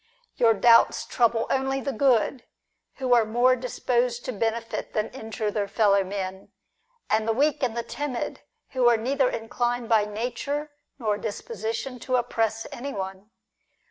Your doubts trouble only the good, who are more dis posed to benefit than injure their fellow men, and the weak and timid, who are neither inclined by nature nor disposition to oppress anyone.